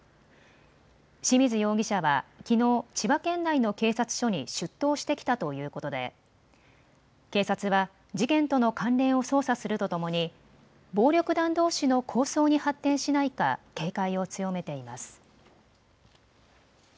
清水容疑者はきのう千葉県内の警察署に出頭してきたということで警察は事件との関連を捜査するとともに暴力団どうしの抗争に発展しないか警戒を強めています。